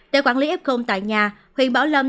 để quản lý f tại nhà huyện bảo lâm